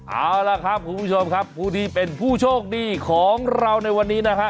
เอาล่ะครับคุณผู้ชมครับผู้ที่เป็นผู้โชคดีของเราในวันนี้นะฮะ